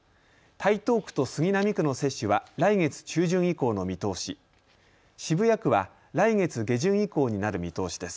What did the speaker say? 台東区と杉並区の接種は来月中旬以降の見通し、渋谷区は来月下旬以降になる見通しです。